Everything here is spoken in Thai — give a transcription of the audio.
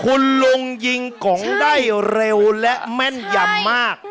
คุณลุงยิงกองได้เร็วและแม่นยำมาก